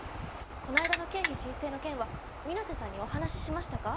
この間の経費申請の件は皆瀬さんにお話ししましたか？